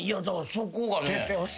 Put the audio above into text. だからそこがね。